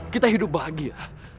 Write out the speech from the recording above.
kita hidup bahagia